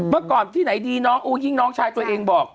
เมื่อก่อนที่ไหนดีน้องชายตัวเองบอก